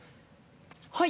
はい！